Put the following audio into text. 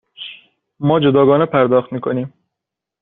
ما جداگانه پرداخت می کنیم.